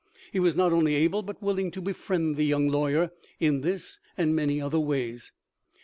He was not only able but willing to befriend the young lawyer in this and many other ways.